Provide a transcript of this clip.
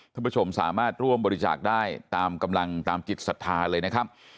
ผู้ชมสามารถร่วมบริจาคได้ตามกำลังตามจิตศรัทธาเลยนะครับ